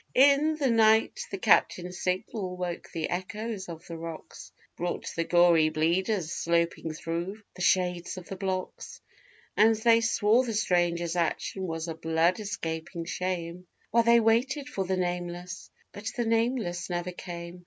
In the night the captain's signal woke the echoes of the 'Rocks,' Brought the Gory Bleeders sloping thro' the shadows of the blocks; And they swore the stranger's action was a blood escaping shame, While they waited for the nameless, but the nameless never came.